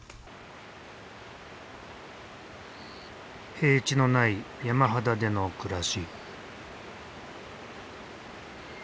平地のない山肌での暮らし。